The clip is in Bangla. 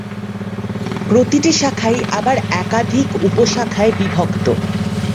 প্রতিটি শাখাই আবার একাধিক উপশাখায় বিভক্ত।